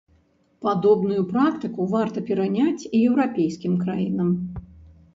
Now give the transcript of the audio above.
Падобную практыку варта пераняць і еўрапейскім краінам.